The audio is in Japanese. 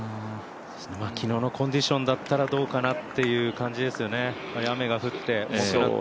昨日のコンディションだったら、どうかなという感じですよね。